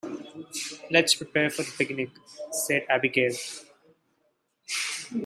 "Let's prepare for the picnic!", said Abigail.